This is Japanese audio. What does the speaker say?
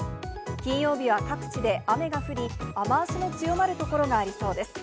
金曜日は各地で雨が降り、雨足の強まる所がありそうです。